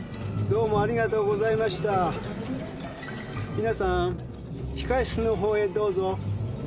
皆さん控え室のほうへどうぞ。